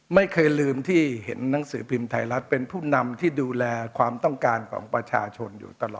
ไม่เคยลืมที่เห็นหนังสือพิมพ์ไทยรัฐเป็นผู้นำที่ดูแลความต้องการของประชาชนอยู่ตลอด